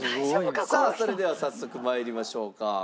さあそれでは早速参りましょうか。